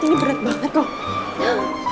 ini berat banget loh